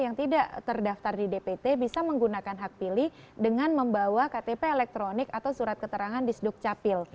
yang tidak terdaftar di dpt bisa menggunakan hak pilih dengan membawa ktp elektronik atau surat keterangan di sdukcapil